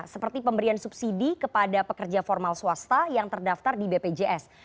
seperti pemberian subsidi kepada pekerja formal swasta yang terdaftar di bpjs